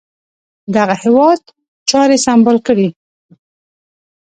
دغه هیواد چاري سمبال کړي.